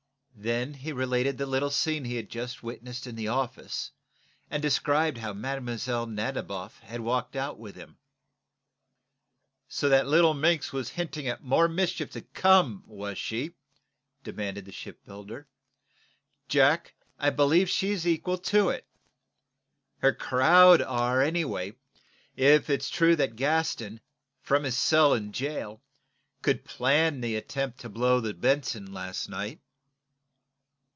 Then he related the little scene he had just witnessed in the office, and described how Mlle. Nadiboff had walked out with him. "So the little minx was hinting at more mischief to come, was she?" demanded the shipbuilder. "Jack, I believe she's equal to it. Her crowd are anyway, if it's true that Gaston, from his cell in jail, could plan the attempt to blow the 'Benson' last night."